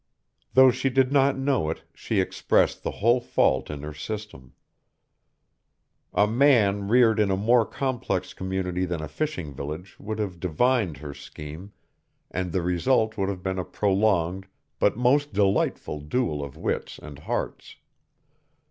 Though she did not know it, she expressed the whole fault in her system. A man reared in a more complex community than a fishing village would have divined her scheme, and the result would have been a prolonged but most delightful duel of wits and hearts.